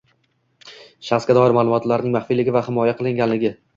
shaxsga doir ma’lumotlarning maxfiyligi va himoya qilinganligi;